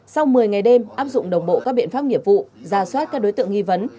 sau một mươi ngày đêm áp dụng đồng bộ các biện pháp nghiệp vụ ra soát các đối tượng nghi vấn